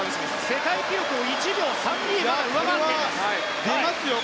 世界記録１秒３２上回っています。